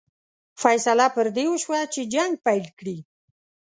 فیصله پر دې وشوه چې جنګ پیل کړي.